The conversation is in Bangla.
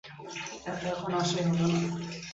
হয়তো এখন আসাই হবে না।